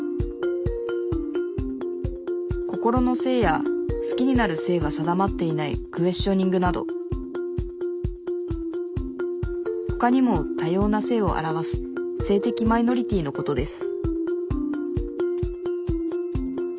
心の性や好きになる性が定まっていないクエスチョニングなどほかにも多様な性を表す性的マイノリティーのことです